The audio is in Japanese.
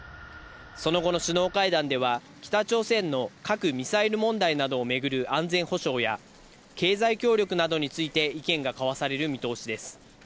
その後の首脳会談では北朝鮮の核ミサイル問題などを巡る安全保障や経済協力などについて、意見が交わされる見通しです。